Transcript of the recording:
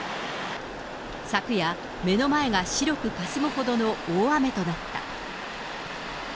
昨夜、目の前が白くかすむほどの大雨となった。